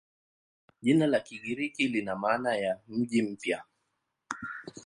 Jina la Kigiriki lina maana ya "mji mpya".